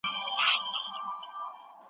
آيا د خاوند په ليدلو خوشالېدونکې ميرمن جنتي ده؟